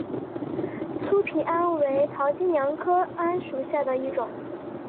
粗皮桉为桃金娘科桉属下的一个种。